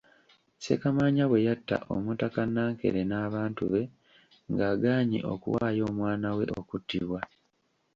Ssekamaanya bwe yatta omutaka Nnankere n'abantu be ng'agaanyi okuwaayo omwana we okuttibwa.